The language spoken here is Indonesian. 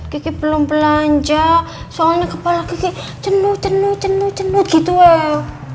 kiki belum belanja soalnya kepala kiki cendut cendut gitu eo